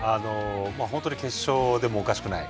本当に決勝でもおかしくない。